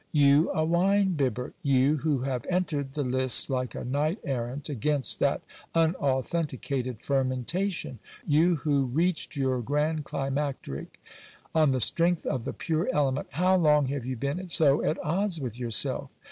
You a wine bibber ! you, who have entered the lists like a knight errant against that unauthenticated fermentation ? you, who reached your grand climacteric on the strength of the pure element ? How long have you been so at odds with yourself?